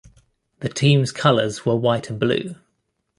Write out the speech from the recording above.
The team's colors were white and blue.